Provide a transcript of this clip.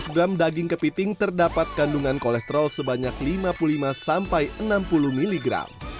seratus gram daging kepiting terdapat kandungan kolesterol sebanyak lima puluh lima sampai enam puluh mg